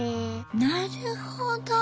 なるほど。